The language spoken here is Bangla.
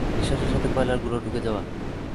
নিঃশ্বাসের সাথে কয়লার গুড়ো ঢুকে যাওয়া।